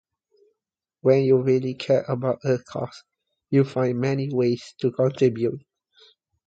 When you really care about a cause, you find many ways to contribute.